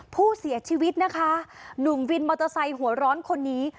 ผู้เสียชีวิตนะคะหนุ่มวินมอเตอร์ไซค์หัวร้อนคนนี้